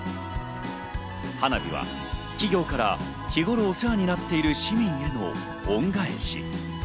花火は企業から日頃お世話になっている市民への恩返し。